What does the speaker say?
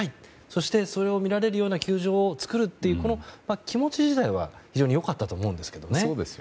そして、それを見られるような球場を作るというこの気持ち自体は非常に良かったと思うんですが。